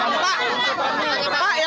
ini ada orang bawah